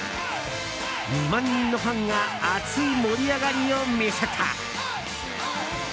２万人のファンが熱い盛り上がりを見せた。